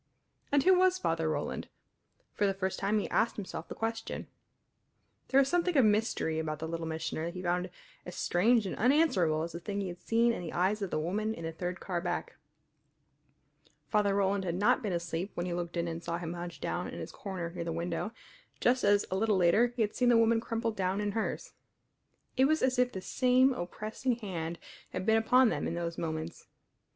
And who was Father Roland? For the first time he asked himself the question. There was something of mystery about the Little Missioner that he found as strange and unanswerable as the thing he had seen in the eyes of the woman in the third car back. Father Roland had not been asleep when he looked in and saw him hunched down in his corner near the window, just as a little later he had seen the woman crumpled down in hers. It was as if the same oppressing hand had been upon them in those moments.